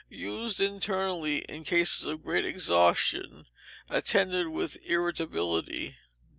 Used internally in cases of great exhaustion, attended with irritability.